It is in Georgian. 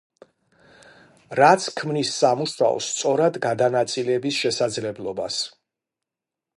რაც ქმნის სამუშაოს სწორად გადანაწილების შესაძლებლობას.